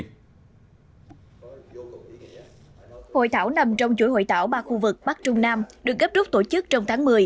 hội thảo nằm trong chuỗi hội thảo ba khu vực bắc trung nam được gấp rút tổ chức trong tháng một mươi